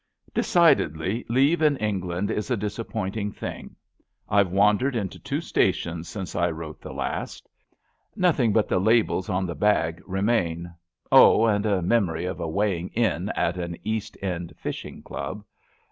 Decidedly, leave in England is a disappointing thing. IVe wandered into two stations since I LETTERS ON LEAVE 223 wrote the last. Nothing but the labels on the bag remain — oh, and a memory of a weighing in at an East End fishing club.